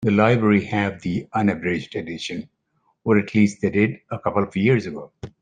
The library have the unabridged edition, or at least they did a couple of years ago.